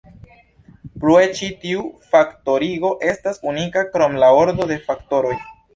Plue ĉi tiu faktorigo estas unika krom la ordo de faktoroj.